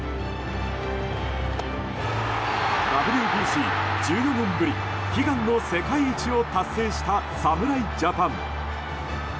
ＷＢＣ１４年ぶり悲願の世界一を達成した侍ジャパン。